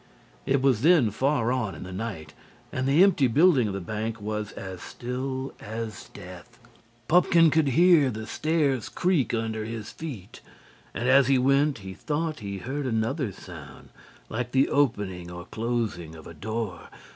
It was then far on in the night and the empty building of the bank was as still as death. Pupkin could hear the stairs creak under his feet, and as he went he thought he heard another sound like the opening or closing of a door.